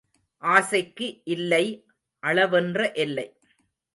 ஆசைக்கு இல்லை அளவென்ற எல்லை.